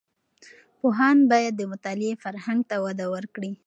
پوهاند باید د مطالعې فرهنګ ته وده ورکړي.